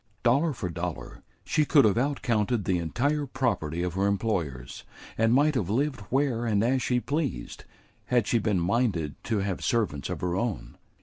Dollar for dollar, she could have out counted the entire property of her employers; and might have lived where and as she pleased, had she been minded to have servants of her own.